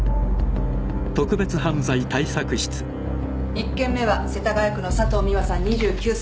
１件目は世田谷区の佐藤美和さん２９歳。